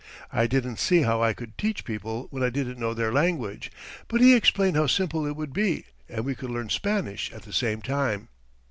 I didn't see how I could teach people when I didn't know their language, but he explained how simple it would be, and we could learn Spanish at the same time.